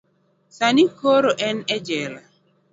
sani koro en e jela.